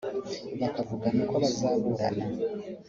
bakavugana uko bazaburana